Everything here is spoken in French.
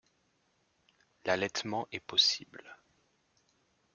L'allaitement est possible.